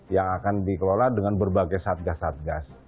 yang akan dikelola dengan berbagai satgas satgas